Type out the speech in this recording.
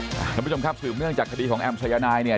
สวัสดีคุณผู้ชมครับสื่อเมื่องจากคดีของแอมพ์ชายนาย